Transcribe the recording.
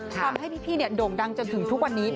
ทำให้พี่โด่งดังจนถึงทุกวันนี้